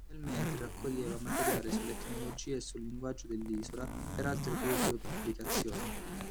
Nel mentre, raccoglieva materiale sull'etnologia e sul linguaggio dell'isola per altre due sue pubblicazioni.